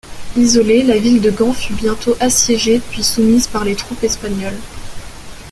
Isolée, la ville de Gand fut bientôt assiégée, puis soumise par les troupes espagnoles.